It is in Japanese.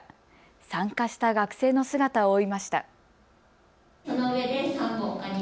参加した学生の姿を追いました。